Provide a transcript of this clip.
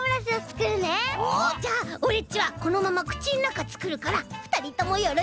じゃあオレっちはこのままくちのなかつくるからふたりともよろしくね！